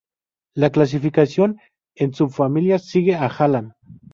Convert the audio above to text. La clasificación en subfamilias sigue a Hallan